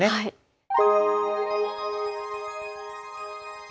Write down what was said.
はい。